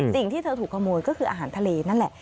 สิ่งที่เธอถูกขโมยก็คืออาหารทะเลนั่นแหละ